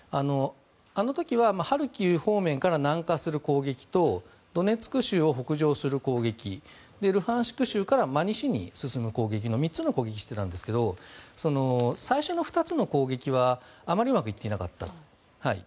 あの時はハルキウ方面から南下する攻撃とドネツク州を北上する攻撃とルハンシク州から真西に進む攻撃と３つの攻撃をしていたんですけど最初の２つの攻撃はあまりうまくいっていなかった。